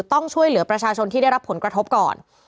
ต้องช่วยเหลือประชาชนที่ได้รับผลกระทบก่อน